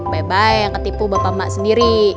bye bye yang ketipu bapak mak sendiri